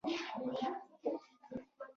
تیوسینټ د جوارو مور بوټی بلل کېږي